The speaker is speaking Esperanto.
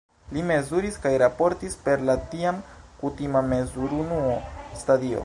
Li mezuris kaj raportis per la tiam kutima mezurunuo "stadio".